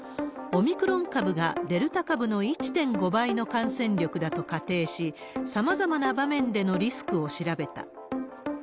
オミクロン株がデルタ株の１．５倍の感染力だと仮定し、さまざまな場面でのリスクを調べた。